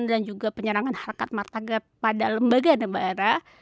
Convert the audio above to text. dan juga penyerangan harkat martabat pada lembaga nebara